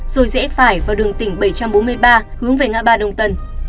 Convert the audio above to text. rồi rẽ phải vào đường tỉnh bảy trăm bốn mươi ba hướng về ngã ba đông tân